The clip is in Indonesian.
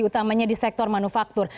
utamanya di sektor manufaktur